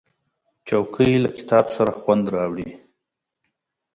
چوکۍ له کتاب سره خوند راوړي.